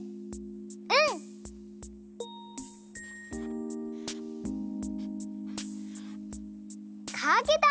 うん！かけた！